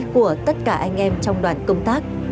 của tất cả anh em trong đoàn công tác